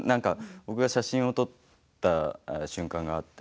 僕が写真を撮った瞬間があって。